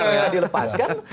ketika kita dilepaskan